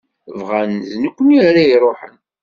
Bɣan d nekni ara iruḥen.